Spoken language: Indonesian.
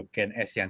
gen s yang